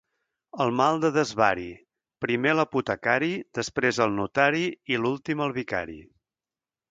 El mal de desvari, primer l'apotecari, després el notari i l'últim el vicari.